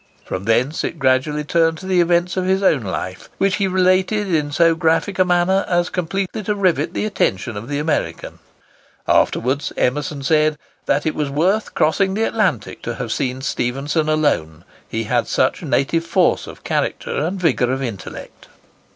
From thence it gradually turned to the events of his own life, which he related in so graphic a manner as completely to rivet the attention of the American. Afterwards Emerson said, "that it was worth crossing the Atlantic to have seen Stephenson alone; he had such native force of character and vigour of intellect."